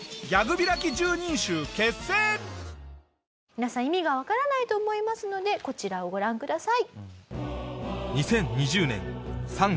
皆さん意味がわからないと思いますのでこちらをご覧ください。